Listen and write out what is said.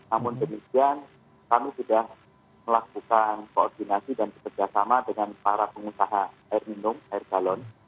namun demikian kami sudah melakukan koordinasi dan bekerjasama dengan para pengusaha air minum air galon